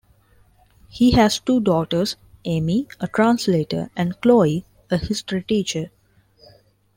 He has two daughters, Amy a translator and Chloe a history teacher.